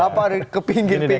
laparin ke pinggir pinggir